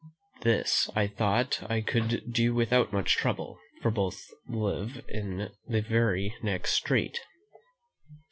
This I thought I could do without much trouble; for both live in the very next street.